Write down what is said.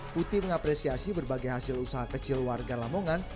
putih mengapresiasi berbagai hasil usaha kecil warga lamongan